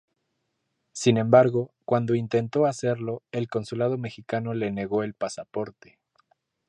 Sin embargo, cuando intentó hacerlo, el consulado mexicano le negó el pasaporte.